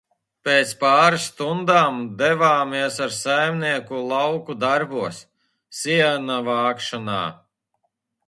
"Pēc pāris stundām devāmies ar saimnieku lauku "darbos", siena vākšanā."